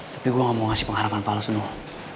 tapi gue gak mau ngasih pengharapan palsu doa